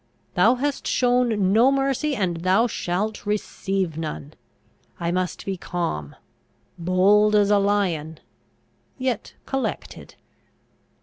Thou hast shown no mercy; and thou shalt receive none! I must be calm! bold as a lion, yet collected!